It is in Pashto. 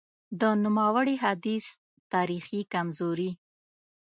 د نوموړي حدیث تاریخي کمزوري :